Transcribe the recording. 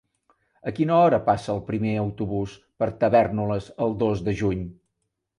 A quina hora passa el primer autobús per Tavèrnoles el dos de juny?